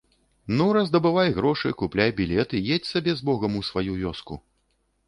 Ну, раздабывай грошы, купляй білет і едзь сабе з богам у сваю вёску.